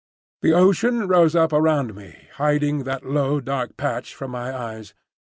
The ocean rose up around me, hiding that low, dark patch from my eyes.